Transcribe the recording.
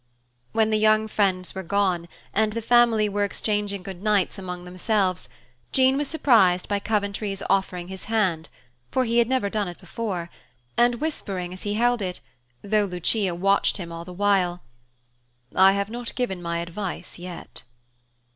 When the young friends were gone, and the family were exchanging good nights among themselves, Jean was surprised by Coventry's offering his hand, for he had never done it before, and whispering, as he held it, though Lucia watched him all the while, "I have not given my advice, yet."